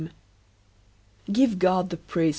Give God the praise!